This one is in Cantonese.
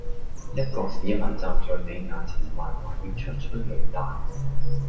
一個市民站在你跟前謾罵要出催淚彈？